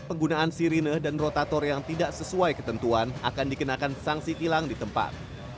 penggunaan sirine dan rotator yang tidak sesuai ketentuan akan dikenakan sanksi tilang di tempat